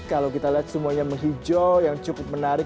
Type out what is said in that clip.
kalau kita lihat semuanya menghijau yang cukup menarik